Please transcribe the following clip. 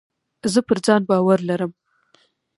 زه په ځان باور لرم.